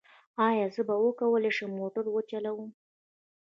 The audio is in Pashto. ایا زه به وکولی شم موټر وچلوم؟